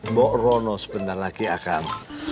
mbok rono sebentar lagi akan